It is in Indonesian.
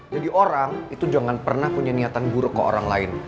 orang itu jangan pernah punya niatan buruk ke orang lain